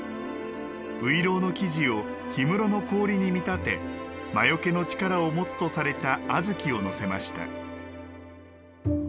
ういろうの生地を氷室の氷に見立て魔除けの力を持つとされた小豆を載せました。